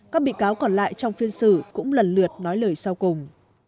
các bị cáo còn lại trong phiên xử cũng lần lượt nói lời sau cùng